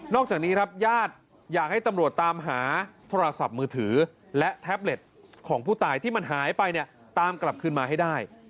จากนี้ครับญาติอยากให้ตำรวจตามหาโทรศัพท์มือถือและแท็บเล็ตของผู้ตายที่มันหายไปเนี่ยตามกลับคืนมาให้ได้